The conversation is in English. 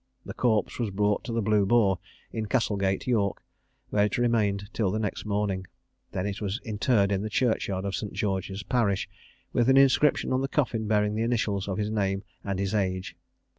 The corpse was brought to the Blue Boar, in Castle gate, York, where it remained till the next morning, when it was interred in the church yard of St. George's parish, with an inscription on the coffin bearing the initials of his name, and his age.